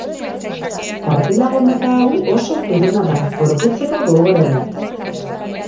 Kartilago mota hau oso zurruna da, gorputzeko gogorrena.